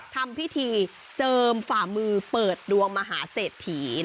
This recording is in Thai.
ทำพิธีเจิมฝ่ามือเปิดดวงมหาเศรษฐี